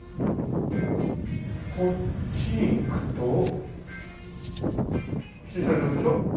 こっち行くと駐車場でしょ？